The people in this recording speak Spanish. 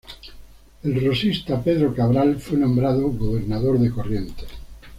El rosista Pedro Cabral fue nombrado gobernador de Corrientes.